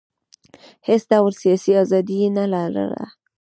هېڅ ډول سیاسي ازادي یې نه لرله.